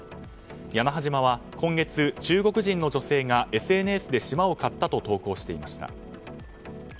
屋那覇島は、今月中国人の女性がＳＮＳで島を買ったと投稿していました。